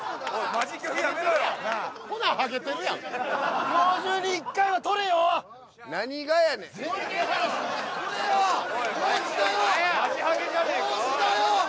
マジハゲじゃねえか帽子だよ！